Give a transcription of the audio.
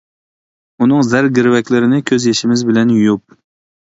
ئۇنىڭ زەر گىرۋەكلىرىنى، كۆز يېشىمىز بىلەن يۇيۇپ.